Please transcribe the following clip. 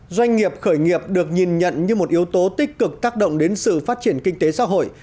doanh nghiệp khởi nghiệp được nhìn nhận như một yếu tố tích cực tác động đến sự phát triển kinh tế xã hội